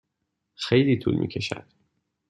خیلی طول می کشد.